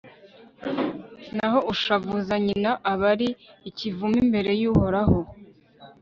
naho ushavuza nyina aba ari ikivume imbere y'uhoraho